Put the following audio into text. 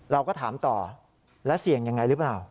เราก็ถามต่อแล้วเสี่ยงยังไงหรือเปล่า